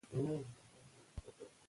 خو تاریخ دوام لري.